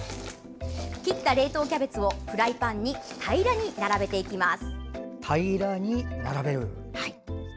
切った冷凍キャベツをフライパンに平らに並べていきます。